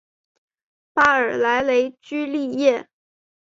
巴尔莱雷居利耶。